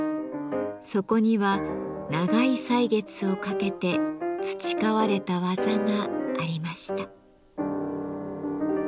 そこには長い歳月をかけて培われた技がありました。